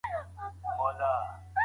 پېژندنه د املا یو هدف دی.